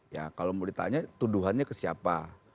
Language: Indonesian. ya kalau mau ditanya tuduhannya ke siapa